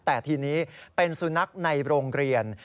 แต่ทีนี้เป็นสุนัขในโรงเรียน